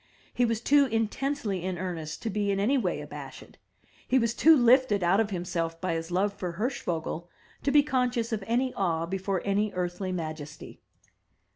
He was too intensely in earnest to be in any way abashed; he was too lifted out of himself by his love for Hirschvogel to be conscious of any awe before any earthly majesty.